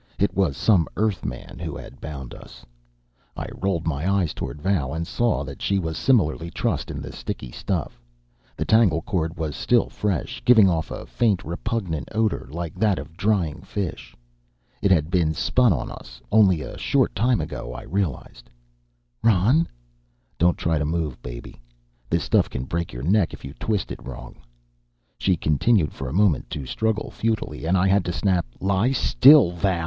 It was some Earthman who had bound us. I rolled my eyes toward Val, and saw that she was similarly trussed in the sticky stuff. The tangle cord was still fresh, giving off a faint, repugnant odor like that of drying fish. It had been spun on us only a short time ago, I realized. "Ron " "Don't try to move, baby. This stuff can break your neck if you twist it wrong." She continued for a moment to struggle futilely, and I had to snap, "Lie still, Val!"